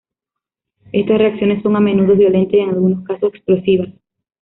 Estas reacciones son a menudo violentas, y en algunos casos explosivas.